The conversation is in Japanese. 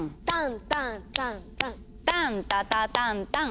タンタタタンタン！